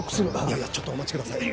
いやいやちょっとお待ちください。